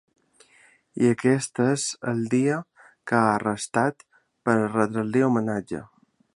I aquest és el dia que ha restat per a retre-li homenatge.